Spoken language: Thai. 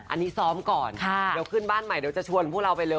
อันนี้ซ้อมก่อนเดี๋ยวขึ้นบ้านใหม่เดี๋ยวจะชวนพวกเราไปเลย